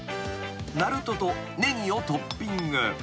［なるととネギをトッピング］